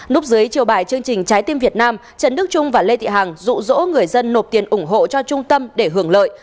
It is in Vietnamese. lúc dưới chiều bài chương trình trái tim việt nam trần đức trung và lê thị hằng rụ rỗ người dân nộp tiền ủng hộ cho trung tâm để hưởng lợi